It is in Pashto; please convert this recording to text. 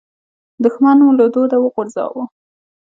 دوښمن مو له دوده وغورځاوو.